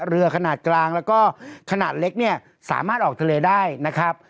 เรือขนาดกลางแล้วก็ขนาดเล็กเนี่ยสามารถออกทะเลได้นะครับ